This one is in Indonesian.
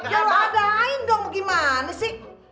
ya lo adain dong gimana sih